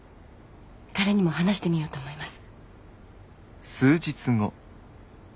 彼にも話してみようと思います。